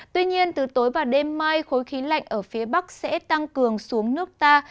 tuy nhiên từ tối và đêm mai khối khí lạnh ở phía bắc sẽ tăng cường xuống nước ta